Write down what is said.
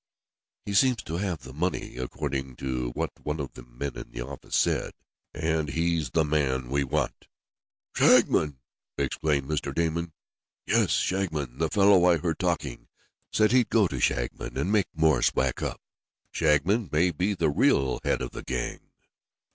"He seems to have the money, according to what one of the men in the office said, and he's the man we want." "Shagmon!" exclaimed Mr. Damon. "Yes, Shagmon. The fellow I heard talking 'said he'd go to Shagmon and make Morse whack up. Shagmon may be the real head of the gang."